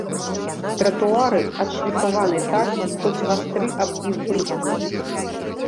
Тратуары адшліфаваны так, хоць вастры аб іх брытвы.